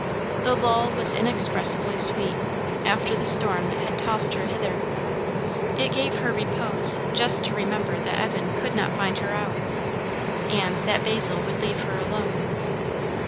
The lull was inexpressibly sweet, after the storm that had tossed her hither. It gave her repose just to remember that Evan could not find her out and that Basil would leave her alone.